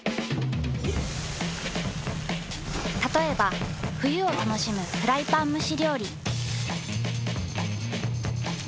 たとえば冬を楽しむフライパン蒸し料理。